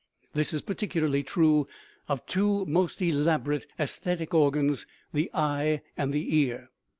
This is particularly true of the two most elaborate "aesthetic" organs, the eye and the ear.